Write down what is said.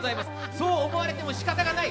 そう思われても仕方がない。